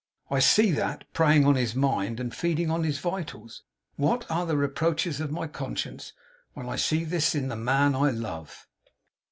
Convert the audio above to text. I see that preying on his mind and feeding on his vitals. What are the reproaches of my conscience, when I see this in the man I love!